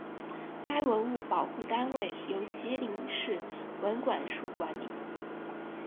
该文物保护单位由吉林市文管处管理。